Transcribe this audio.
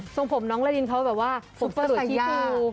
ส่งผมน้องลาลินเขาแบบว่าสุปจะหรือที่คู